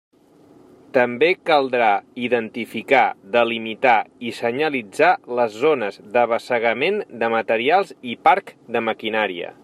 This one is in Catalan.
També caldrà identificar, delimitar i senyalitzar les zones d'abassegament de materials i parc de maquinària.